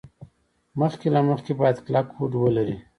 مخکې له مخکې باید کلک هوډ ولري.